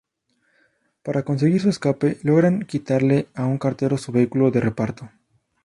Para conseguir su escape, logran quitarle a un cartero su vehículo de reparto.